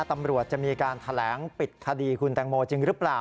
ตำรวจจะมีการแถลงปิดคดีคุณแตงโมจริงหรือเปล่า